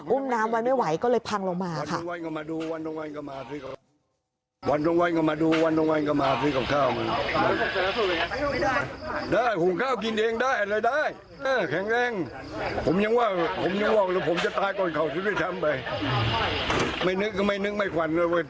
อุ้มน้ำไว้ไม่ไหวก็เลยพังลงมา